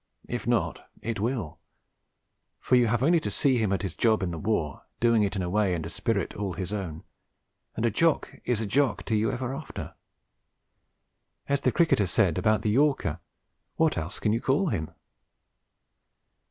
If not, it will; for you have only to see him at his job in the war, doing it in a way and a spirit all his own, and a Jock is a Jock to you ever after. As the cricketer said about the yorker, what else can you call him?